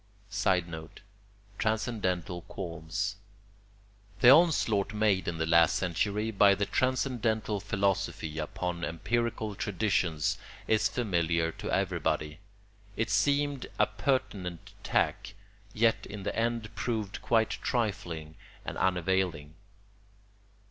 [Sidenote: Transcendental qualms.] The onslaught made in the last century by the transcendental philosophy upon empirical traditions is familiar to everybody: it seemed a pertinent attack, yet in the end proved quite trifling and unavailing.